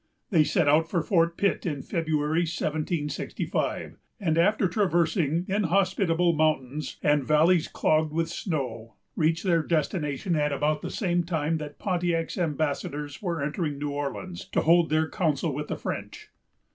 They set out for Fort Pitt in February, 1765; and after traversing inhospitable mountains, and valleys clogged with snow, reached their destination at about the same time that Pontiac's ambassadors were entering New Orleans, to hold their council with the French.